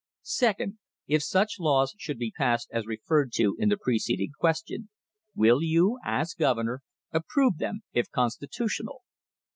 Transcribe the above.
Second — If such laws should be passed as referred to in the preceding question, will you, as Governor, approve them, if constitutional